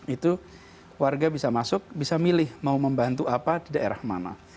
itu warga bisa masuk bisa milih mau membantu apa di daerah mana